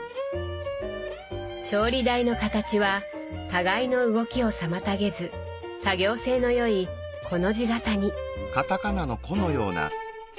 調理台の形は互いの動きを妨げず作業性の良いコの字型に。